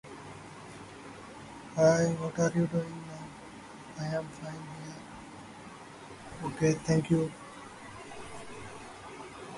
Senator, and finally as chairman of the Democratic National Committee.